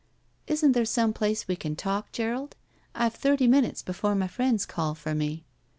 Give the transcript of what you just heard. Isn't there some place we can talk, Gerald? I've thirty minutes before my friends call for me."